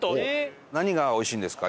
何がおいしいんですか？